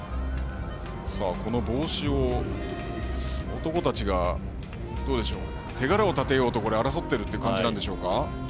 この帽子を、男たちが手柄を立てようと争っている感じなんでしょうか。